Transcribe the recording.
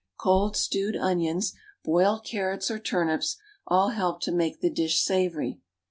Cold stewed onions, boiled carrots or turnips, all help to make the dish savory.